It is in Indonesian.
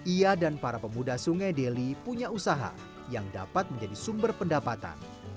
ia dan para pemuda sungai deli punya usaha yang dapat menjadi sumber pendapatan